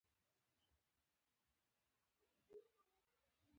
هغه په څو ثانیو کې په کوټه اور بل کړ